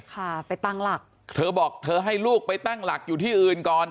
ค่ะไปตั้งหลักเธอบอกเธอให้ลูกไปตั้งหลักอยู่ที่อื่นก่อน